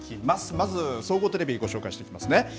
まず総合テレビご紹介していきますね。